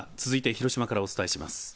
続いて広島からお伝えします。